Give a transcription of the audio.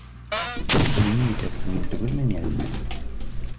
Ғилми етәксең мин түгелме ни әле?